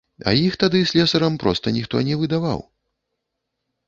А іх тады слесарам проста ніхто не выдаваў.